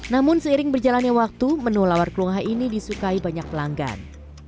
namun seiring berjalannya waktu menu lawar kelungha ini disukai banyak pelanggan